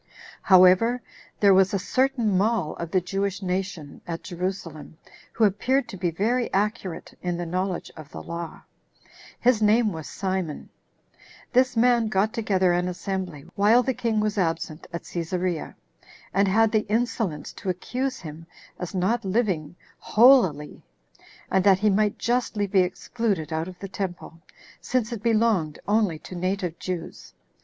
4. However, there was a certain mall of the Jewish nation at Jerusalem, who appeared to be very accurate in the knowledge of the law. His name was Simon. This man got together an assembly, while the king was absent at Cæsarea, and had the insolence to accuse him as not living holily, and that he might justly be excluded out of the temple, since it belonged only to native Jews.